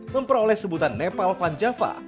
memperoleh sebutan nepal vanjava